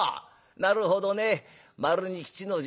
なるほどね丸に吉の字。